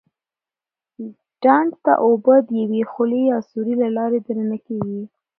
ډنډ ته اوبه د یوې خولې یا سوري له لارې دننه کېږي.